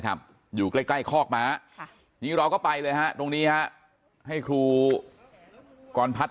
อยู่ใกล้ใกล้คอกม้านี่เราก็ไปเลยฮะตรงนี้ฮะให้ครูกรพัฒน